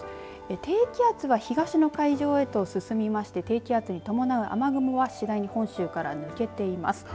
低気圧は東の海上へと進みまして低気圧に伴う雨雲は次第に本州から抜けています。